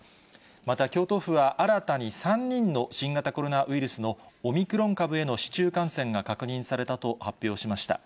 また京都府は新たに３人の新型コロナウイルスのオミクロン株への市中感染が確認されたと発表しました。